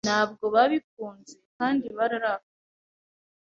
Ntabwo babikunze kandi bararakaye.